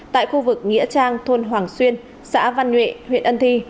tại khu vực nghĩa trang thôn hoàng xuyên xã văn nhuệ huyện ân thi